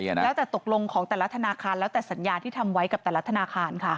แล้วแต่ตกลงของแต่ละธนาคารแล้วแต่สัญญาที่ทำไว้กับแต่ละธนาคารค่ะ